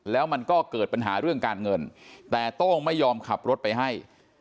แล้วมันก็เกิดปัญหาเรื่องการเงินแต่โต้งไม่ยอมขับรถไปให้